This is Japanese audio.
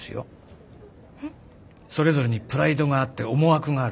それぞれにプライドがあって思惑がある。